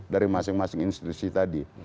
dari masing masing institusi tadi